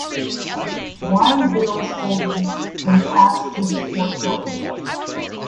Winebiddle's holdings then passed to his four children.